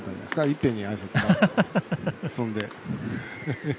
いっぺんにあいさつ、済んで。